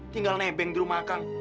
tinggal nebeng di rumah kang